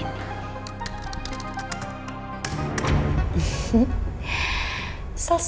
tentara sebodong tante